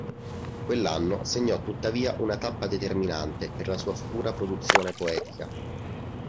Quell'anno segnò tuttavia una tappa determinante per la sua futura produzione poetica.